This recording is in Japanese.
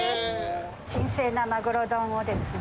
新鮮なマグロ丼をですね。